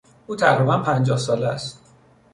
او تقریبا پنجاه ساله است.